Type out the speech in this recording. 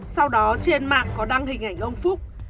sau đó trên mạng có đăng hình ảnh ông phúc